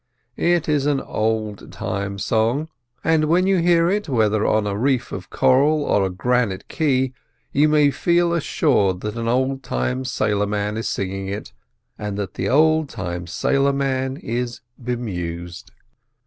It is an old time song; and when you hear it, whether on a reef of coral or a granite quay, you may feel assured that an old time sailor man is singing it, and that the old time sailor man is bemused.